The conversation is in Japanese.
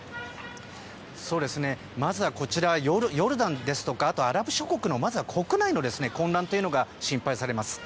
まずはこちらヨルダンですとかあとはアラブ諸国の国内の混乱というのが心配されます。